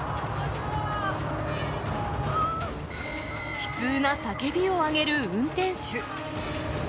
悲痛な叫びを上げる運転手。